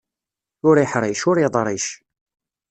Ur iḥṛic, ur iḍric.